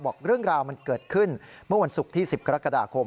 บอกเรื่องราวมันเกิดขึ้นเมื่อวันศุกร์ที่๑๐กรกฎาคม